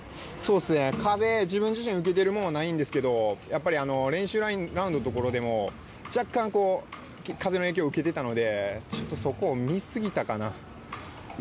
風は自分自身受けてるものはないんですけど、練習ラウンドのところでも若干、風の影響を受けていたのでちょっとそこを見すぎたかな。